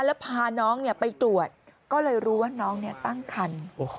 แล้วพาน้องไปตรวจก็เลยรู้ว่าน้องตั้งคัน